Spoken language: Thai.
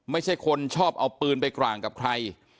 ไม่ใช่คนชอบเอาปืนไปกร่างกับใคร